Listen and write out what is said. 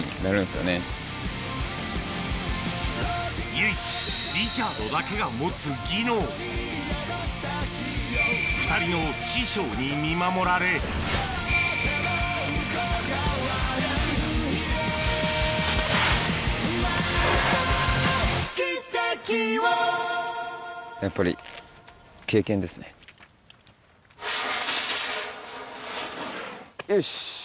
唯一リチャードだけが持つ技能２人の師匠に見守られよし。